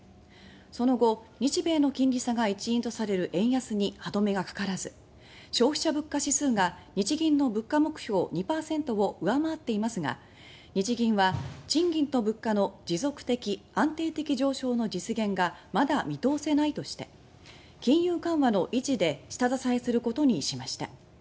その後、日米の金利差が一因とされる円安に歯止めがかからず消費者物価指数が日銀の物価目標２％を上回っていますが日銀は、賃金と物価の持続的・安定的上昇の実現がまだ見通せないとして金融緩和の維持で下支えすることにしました。